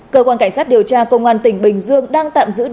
cơ quan cảnh sát điều tra công an tỉnh bình dương đang tạm giữ đối tư